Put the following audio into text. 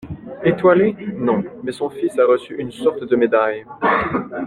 Étoilé? Non. Mais son fils a reçu une sorte de médaille…